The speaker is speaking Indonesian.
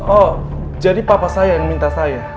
oh jadi papa saya yang minta saya